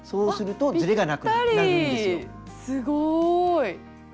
すごい！